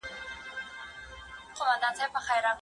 زموږ هېواد د نړیوالو قوانینو پر بنسټ شخړي نه اوږدوي.